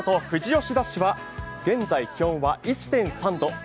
富士吉田市は現在気温は１．３度。